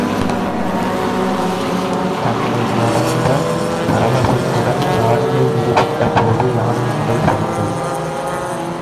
உதயணன் தன்னை மறந்த பரவசத்துடன் யாழிலே ஈடுபட்ட போது யானையின் உடல் சரிந்தது.